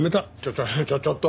ちょちょちょっと！